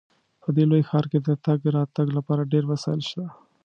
په دې لوی ښار کې د تګ راتګ لپاره ډیر وسایل شته